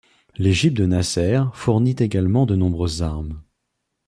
L'Égypte de Nasser fournit également de nombreuses armes.